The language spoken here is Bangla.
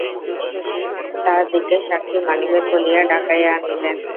শশী তাহাদিগকে সাক্ষী মানিবেন বলিয়া ডাকাইয়া আনিলেন।